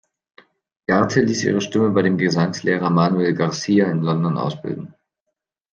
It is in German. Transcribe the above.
Garthe ließ ihre Stimme bei dem Gesangslehrer Manuel García in London ausbilden.